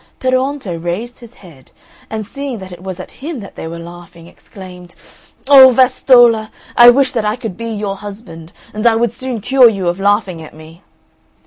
Peruonto raised his head, and, seeing that it was at him that they were laughing, exclaimed, "Oh, Vastolla, I wish that I could be your husband and I would soon cure you of laughing at me!"